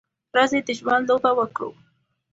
راځئ د ژوند لوبه وکړو.